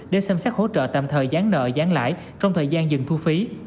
để xem xét hỗ trợ tạm thời gián nợ gián lãi trong thời gian dừng thu phí